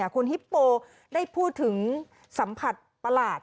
คุณฮิปโปได้พูดถึงสัมผัสประหลาด